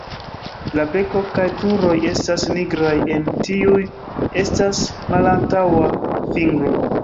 La beko kaj kruroj estas nigraj; en tiuj estas malantaŭa fingro.